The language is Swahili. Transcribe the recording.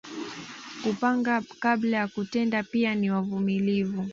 Kupanga kabla ya kutenda pia ni wavumilivu